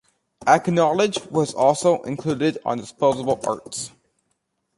"Acknowledge" was also included on "Disposable Arts".